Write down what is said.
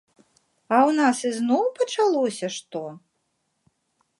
А ў нас ізноў пачалося што?